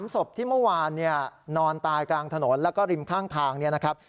ศพที่เมื่อวานนอนตายกลางถนนแล้วก็ริมข้างทางเนี่ยนะครับ